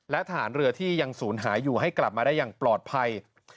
และทหารเรือที่ยังศูนย์หายอยู่ให้กลับมาได้อย่างปลอดภัย